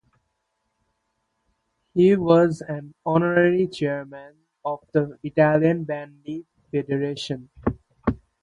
He was an honorary chairman of the Italian Bandy Federation.